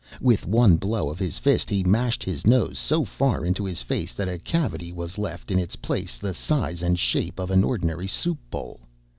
With one blow of his fist he mashed his nose so far into his face that a cavity was left in its place the size and shape of an ordinary soup bowl.